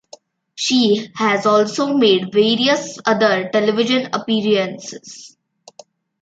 She has also made various other television appearances.